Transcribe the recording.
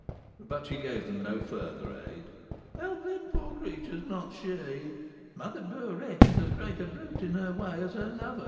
"But she gave them no further aid?" "Help them, poor creatures! Not she. Mother Burette is as great a brute in her way as her lover, M.